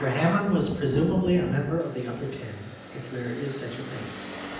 Hamon was presumably a member of the Upper Ten, if there is such a thing.